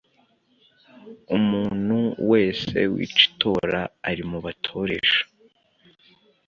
Umuntu wese wica itora ari mu batoresha